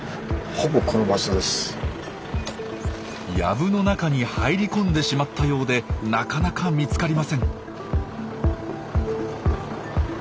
藪の中に入り込んでしまったようでなかなか見つかりません。